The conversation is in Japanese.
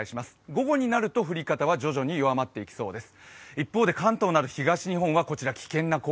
午後になると降り方は徐々に弱まりそうです。